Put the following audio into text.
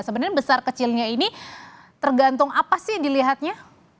sebenarnya besar kecilnya ini tergantung apa sih dilihatnya